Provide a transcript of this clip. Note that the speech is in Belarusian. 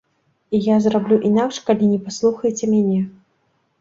І я зраблю інакш, калі не паслухаеце мяне!